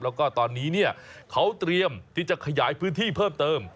แล้วก็ตอนนี้เนี่ยเขาเตรียมที่จะขยายพื้นที่เพิ่มเติม